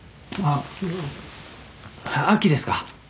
あっ亜紀ですか？